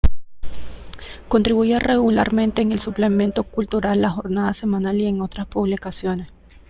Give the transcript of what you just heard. Contribuye regularmente en el suplemento cultural La Jornada Semanal y en otras publicaciones.